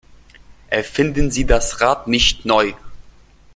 Erfinden Sie das Rad nicht neu!